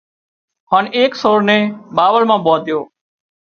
هانَ ايڪ سور نين ٻاوۯ مان ٻانڌيو